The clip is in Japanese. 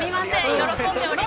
喜んでおります。